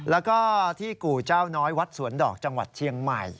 แล้วก็ที่กู่เจ้าน้อยวัดสวนดอกจังหวัดเชียงใหม่